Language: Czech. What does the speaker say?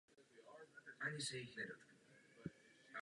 Hospodářská krize zasáhla celý svět, včetně zemí eurozóny.